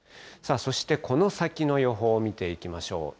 さあ、そしてこの先の予報を見ていきましょう。